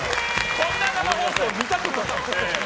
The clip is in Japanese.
こんな生放送見たことない。